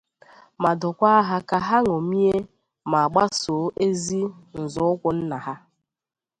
ma dụkwa ha ọdụ ka ha ñòmie ma gbaso ezi nzọụkwụ nna ha